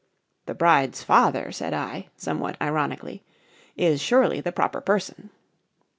"The bride's father," said I, somewhat ironically, "is surely the proper person."